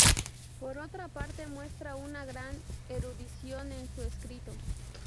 Por otra parte, muestra una gran erudición en su escrito.